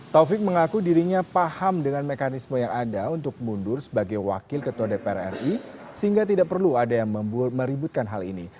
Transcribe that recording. taufik mengaku dirinya paham dengan mekanisme yang ada untuk mundur sebagai wakil ketua dpr ri sehingga tidak perlu ada yang meributkan hal ini